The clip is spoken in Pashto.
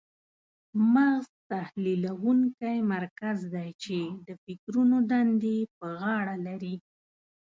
مغز تحلیلونکی مرکز دی چې د فکرونو دندې په غاړه لري.